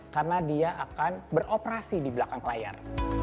karena dia akan beroperasi di belakang layar